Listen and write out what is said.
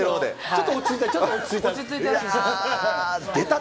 ちょっと落ち着いた。